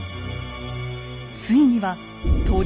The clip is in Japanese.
ついには鳥